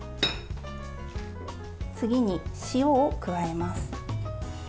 次に塩を加えます。